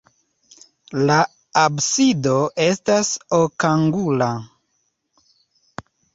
La absido estas okangula.